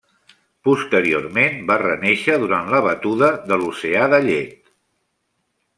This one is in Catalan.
Posteriorment va renéixer durant la batuda de l'oceà de llet.